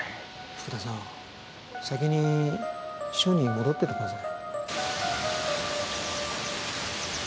福田さん先に署に戻っててください。